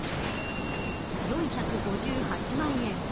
４５８万円。